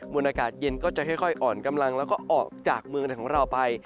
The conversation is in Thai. วนอากาศเย็นก็จะค่อยอ่อนกำลังแล้วก็ออกจากเมืองไทยของเราไป